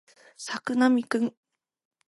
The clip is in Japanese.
作並くん